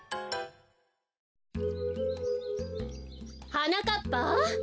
・はなかっぱ！